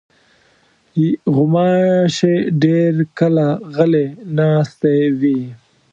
غوماشې ډېر کله غلې ناستې وي.